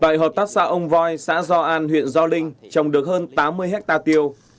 tại hợp tác xã ông voi xã do an huyện gio linh trồng được hơn tám mươi hectare tiêu